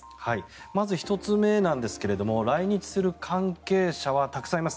まず、１つ目なんですが来日する関係者はたくさんいます。